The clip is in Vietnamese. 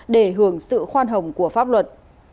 để hưởng sự khoan hồng của pháp luật